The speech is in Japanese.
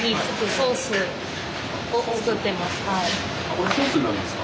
これソースになるんですか？